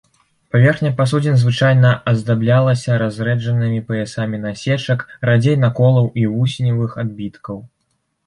Паверхня пасудзін звычайна аздаблялася разрэджанымі паясамі насечак, радзей наколаў і вусеневых адбіткаў.